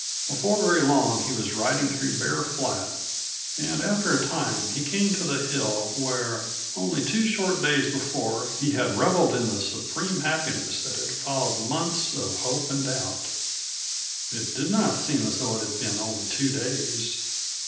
Before very long he was riding through Bear Flat, and after a time he came to the hill where only two short days before he had reveled in the supreme happiness that had followed months of hope and doubt. It did not seem as though it had been only two days.